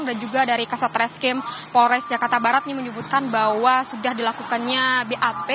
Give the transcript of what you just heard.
dan juga dari kasat reskem polres jakarta barat menyebutkan bahwa sudah dilakukannya bap